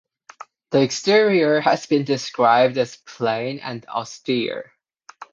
The exterior has been described as "plain" and "austere".